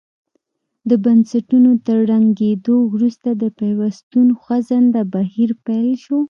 د بنسټونو تر ړنګېدو وروسته د پیوستون خوځنده بهیر پیل شو.